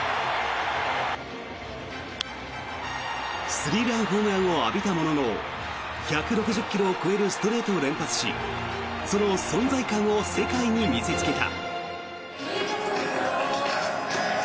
スリーランホームランを浴びたものの１６０ｋｍを超えるストレートを連発しその存在感を世界に見せつけた。